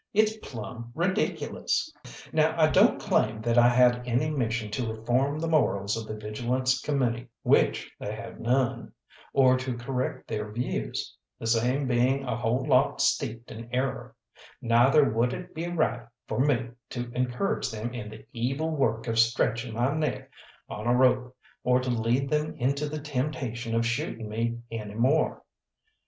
It's plumb ridiculous! Now I don't claim that I had any mission to reform the morals of the Vigilance Committee which they have none or to correct their views, the same being a whole lot steeped in error; neither would it be right for me to encourage them in the evil work of stretching my neck on a rope, or to lead them into the temptation of shooting me any more.